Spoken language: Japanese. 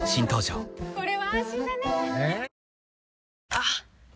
あっ！